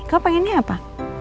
kamu pengennya apa